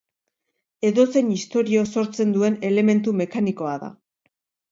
Edozein istorio sortzen duen elementu mekanikoa da.